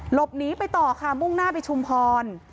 หลบหนีไปต่อค่ะมุ่งหน้าไปชุมพร